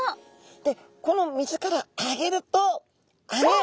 でこの水からあげるとあれ？